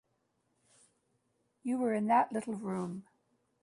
You were in that little room.